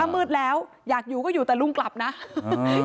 มืดแล้วอยากอยู่ก็อยู่แต่ลุงกลับนะ